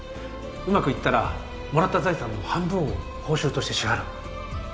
うまくいったらもらった財産の半分を報酬として支払う。